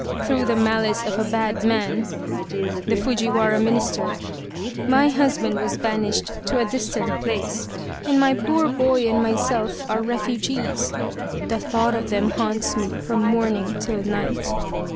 Through the malice of a bad man * my husband was banished to a distant place, and my poor boy and myself are refugees. The thought of them haunts me from morning till night.